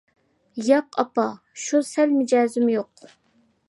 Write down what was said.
-ياق ئاپا، شۇ، سەل مىجەزىم يوق.